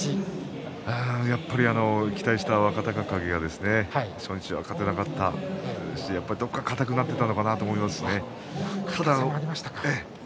やっぱり期待した若隆景が初日勝てなかったどこか硬くなっていたのかなと思います。